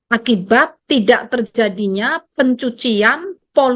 akibat tidak terjadinya pencucian